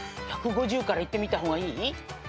１５０からいってみた方がいい？